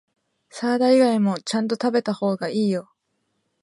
サラダ以外もちゃんと食べた方がいいよ